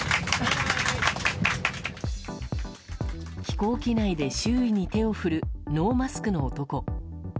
飛行機内で周囲に手を振るノーマスクの男。